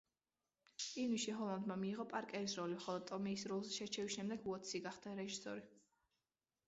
ივნისში ჰოლანდმა მიიღო პარკერის როლი, ხოლო ტომეის როლზე შერჩევის შემდეგ უოტსი გახდა რეჟისორი.